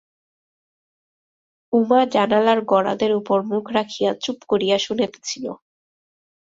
উমা জানালার গরাদের উপর মুখ রাখিয়া চুপ করিয়া শুনিতেছিল।